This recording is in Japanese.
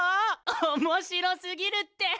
おもしろすぎるって！